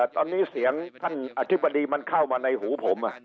ตอนนี้เสียงท่านอธิบดีมันเข้ามาในหูผม